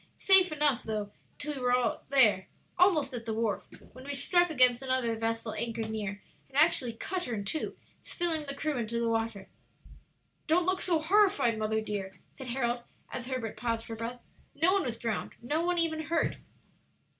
Safely enough, though, till we were there, almost at the wharf, when we struck against another vessel anchored near, and actually cut her in two, spilling the crew into the water." "Don't look so horrified, mother dear," said Harold, as Herbert paused for breath; "no one was drowned, no one even hurt."